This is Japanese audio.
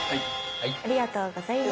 ありがとうございます。